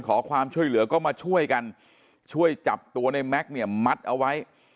ขอความช่วยเหลือก็มาช่วยกันช่วยจับตัวในแม็กซ์เนี่ยมัดเอาไว้